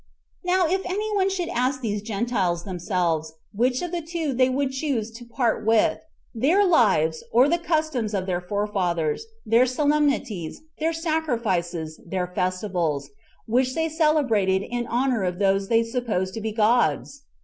Now if any one should ask these Gentiles themselves, which of the two things they would choose to part with, their lives, or the customs of their forefathers, their solemnities, their sacrifices, their festivals, which they celebrated in honor of those they suppose to be gods?